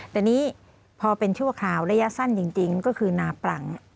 แต่นี้พอเป็นชั่วคราวระยะสั้นจริงก็คือนาปลัง